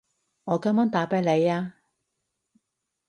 我今晚打畀你吖